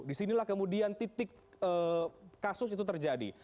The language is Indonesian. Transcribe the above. di sinilah kemudian titik kasus itu terjadi